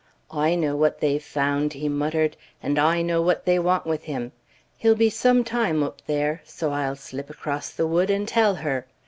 "I know what they've found," he muttered, "and I know what they want with him. He'll be some time oop there, so I'll slip across the wood and tell her.